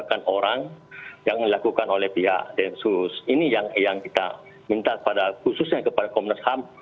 akan orang yang dilakukan oleh pihak densus ini yang kita minta pada khususnya kepada komnas ham